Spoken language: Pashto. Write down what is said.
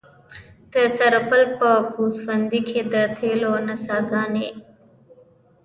د سرپل په ګوسفندي کې د تیلو څاګانې دي.